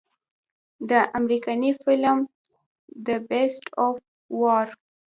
د امريکني فلم The Beast of War